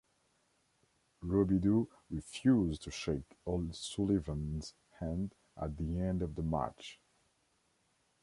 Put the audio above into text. Robidoux refused to shake O'Sullivan's hand at the end of the match.